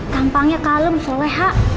kampangnya kalem soleh ha